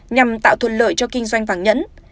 nhằm tạo thuận lợi cho kinh doanh vàng nhẫn